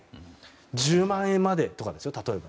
１０万円までとか、例えば。